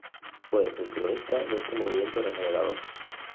Fue el cronista de este movimiento regenerador.